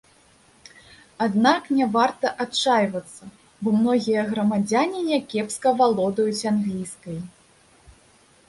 Аднак, няварта адчайвацца, бо многія грамадзяне някепска валодаюць англійскай.